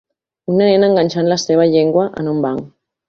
una nena enganxant la seva llengua en un banc